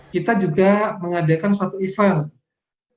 kita juga mengadakan suatu event